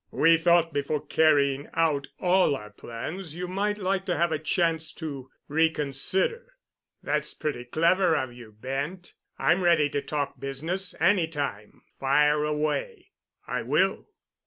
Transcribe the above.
We thought before carrying out all our plans you might like to have a chance to reconsider." "That's pretty clever of you, Bent. I'm ready to talk business—any time. Fire away!" "I will.